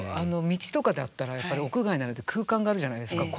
道とかであったらやっぱり屋外になるんで空間があるじゃないですか。